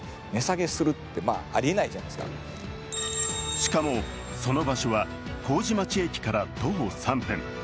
しかも、その場所は麹町駅から徒歩３分。